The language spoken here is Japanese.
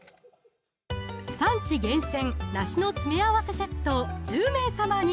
「産地厳選梨の詰め合わせセット」を１０名様に！